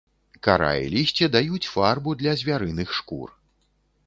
Кара і лісце даюць фарбу для звярыных шкур.